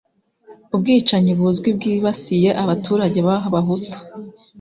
ubwicanyi, buzwi, bwibasiye abaturage b'abahutu.